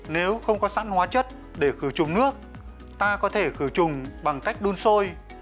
nếu không có sẵn hóa chất để khử trùng nước ta có thể khử trùng bằng cách đun sôi